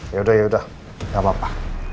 ya udah ya udah gak apa apa